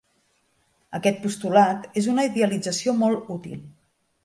Aquest postulat és una idealització molt útil.